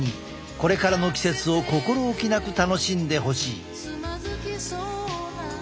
これからの季節を心おきなく楽しんでほしい。